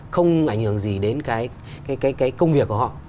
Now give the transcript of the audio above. không ảnh hưởng gì đến cái công việc của họ